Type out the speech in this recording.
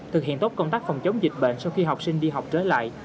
thực hiện tốt công tác phòng chống dịch bệnh sau khi học sinh đi học trở lại